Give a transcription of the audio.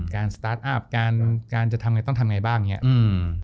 การสตาร์ทอัพการจะทำยังไงต้องทำยังไงบ้าง